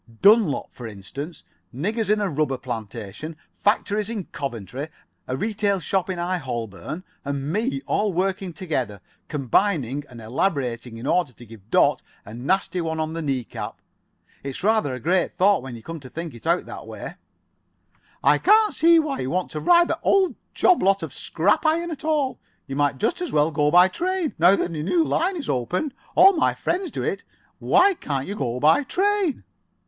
Dunlop, for instance. Niggers in a rubber plantation. Factories in Coventry. A retail shop in High Holborn. And me. All working together. Combining and elaborating in order to give Dot a nasty one on the knee cap. It's rather a great thought when you come to think it out that way." "I can't see why you want to ride that old job lot of scrap iron at all. You might just as well go by train, now that the new line is opened. All my friends do it. Why can't you go by train?"